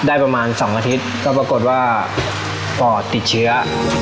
ประมาณ๒อาทิตย์ก็ปรากฏว่าปอดติดเชื้อ